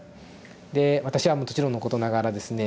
で私はもちろんのことながらですね